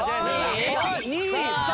２３